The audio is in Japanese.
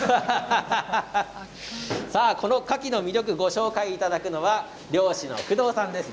このカキの魅力ご紹介いただくのは漁師の工藤さんです。